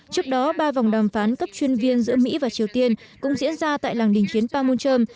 trước đó ba vòng đàm phán cấp chuyên viên giữa mỹ và triều tiên cũng diễn ra tại làng đình chiến pamunchom